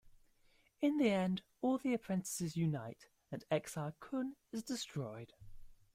In the end, all the apprentices unite and Exar Kun is destroyed.